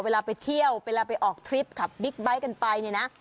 เวลาไปเที่ยวเวลาไปออกทริปขับบิ๊กไบท์กันไปเนี่ยนะ